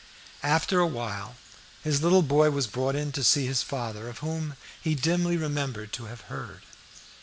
After a while his little boy was brought in to see the father of whom he dimly remembered to have heard.